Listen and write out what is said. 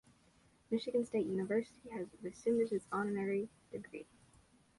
Michigan State University has also rescinded its honorary degree.